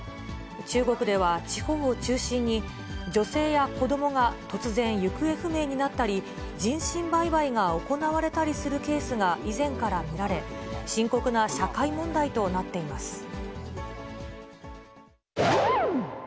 中国では地方を中心に、女性や子どもが突然、行方不明になったり、人身売買が行われたりするケースが以前から見られ、深刻な社会問題となっています。